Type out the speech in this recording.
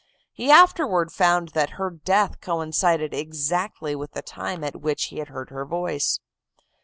He afterward found that her death coincided exactly with the time at which he had heard her voice.